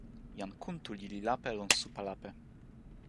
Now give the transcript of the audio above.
jan Kuntuli li lape lon supa lape.